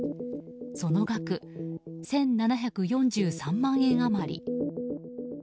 その額、１７４３万円余り。